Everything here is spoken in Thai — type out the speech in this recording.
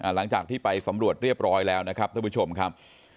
หลังจากที่ไปสำรวจเรียบร้อยแล้วนะครับท่านผู้ชมครับ